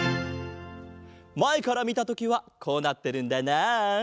まえからみたときはこうなってるんだなあ。